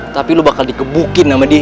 tapi lo bakal dikebukin sama dia